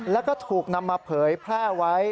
แล้วก็ถูกนำมาเผยแพร่ไว้